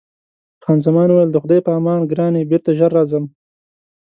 خان زمان وویل: د خدای په امان ګرانې، بېرته ژر راځم.